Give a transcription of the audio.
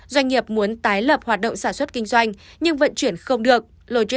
doanh nghiệp muốn tái lập hoạt động sản xuất kinh doanh nhưng vận chuyển không được